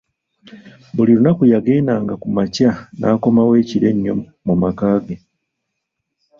Buli lunaku yagenda nga kumakya nakomawo ekiro ennyo mu makagge.